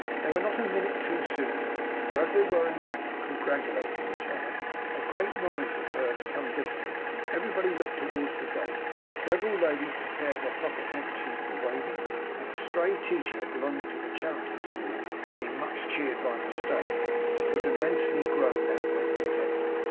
They were not a minute too soon, for as they were in the act of congratulating each other, a great noise was heard at some distance, and everybody looked towards the gate. Several ladies prepared their pocket handkerchiefs for waving; and a stray teacher belonging to the charity school being much cheered by mistake, was immensely groaned at when detected.